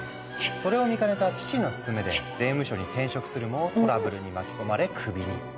それを見かねた父の勧めで税務署に転職するもトラブルに巻き込まれクビに。